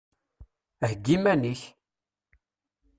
Heyyi iman-ik!